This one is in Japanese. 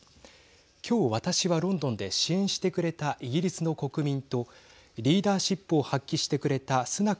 今日、私はロンドンで支援してくれたイギリスの国民とリーダーシップを発揮してくれたスナク